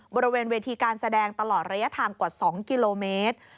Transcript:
บริเวณเวทีการแสดงตลอดระยะทางกว่า๒กิโลเมตร